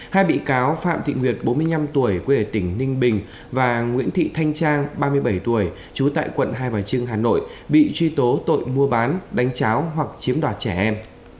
hai bị cáo phạm thị nguyệt bốn mươi năm tuổi quê ở tỉnh ninh bình và nguyễn thị thanh trang ba mươi bảy tuổi trú tại quận hai bà trưng hà nội bị truy tố tội mua bán đánh cháo hoặc chiếm đoạt trẻ em